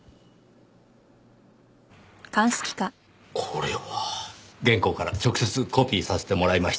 これは！原稿から直接コピーさせてもらいました。